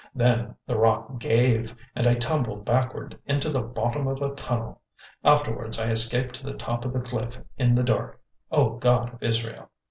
Then the rock gave, and I tumbled backward into the bottom of a tunnel. Afterwards I escaped to the top of the cliff in the dark, O God of Israel!